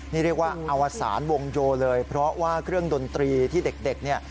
นี่เรียกว่าอวสารวงโยเลยเพราะว่าเครื่องดนตรีที่เด็กเนี่ย